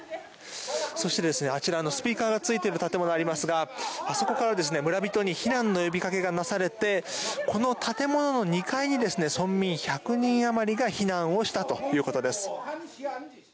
そして、あちらスピーカーがついている建物がありますがあそこから村人に避難の呼びかけがなされてこの建物の２階に村民１００人余りが避難したということです。